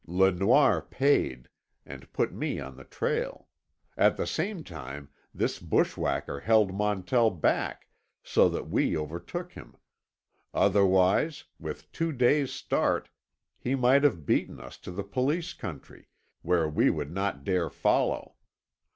Le Noir paid—and put me on the trail; at the same time this bushwhacker held Montell back so that we overtook him—otherwise, with two days' start, he might have beaten us to the Police country, where we would not dare follow.